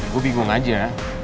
gue bingung aja